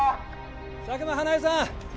佐久間華絵さん